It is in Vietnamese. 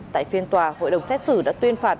tại phiên tòa hội đồng xét xử đã tuyên phạt